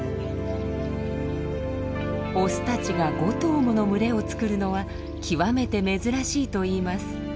オスたちが５頭もの群れを作るのは極めて珍しいといいます。